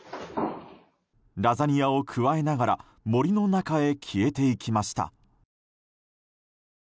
ラザニアをくわえながら森の中へ消えていきました。